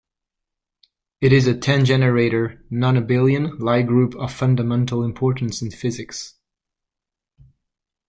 It is a ten-generator non-abelian Lie group of fundamental importance in physics.